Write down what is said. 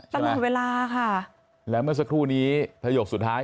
ตลอดเวลาค่ะแล้วเมื่อสักครู่นี้ประโยคสุดท้าย